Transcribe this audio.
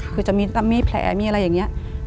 คือจะมีแผลมีอะไรอย่างนี้